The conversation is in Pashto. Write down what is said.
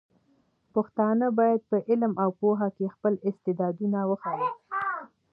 پښتانه بايد په علم او پوهه کې خپل استعدادونه وښيي.